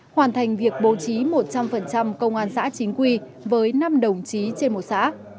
hoàn thành việc bố trí một trăm linh công an xã chính quy với năm đồng chí trên một xã